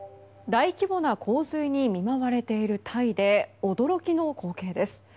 大規模な洪水に見舞われているタイで驚きの光景です。